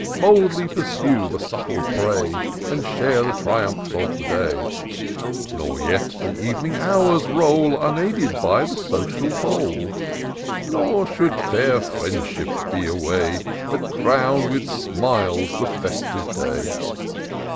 Boldly pursue the subtle prey. And share the triumphs of the day : Nor let the evening hours roll Unaided by the social bowl ; Nor should fair Friendship be away, But crown with smiles the festive day.